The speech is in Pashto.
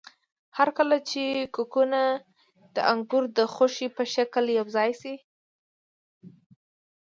هرکله چې کوکونه د انګور د خوشې په شکل یوځای شي.